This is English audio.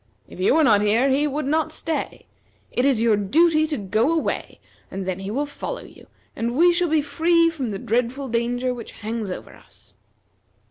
If you were not here, he would not stay. It is your duty to go away and then he will follow you, and we shall be free from the dreadful danger which hangs over us."